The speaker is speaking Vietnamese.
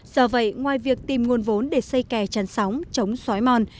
do vậy ngoài việc tìm nguồn vốn để xây kè chăn sóng chống xói mòn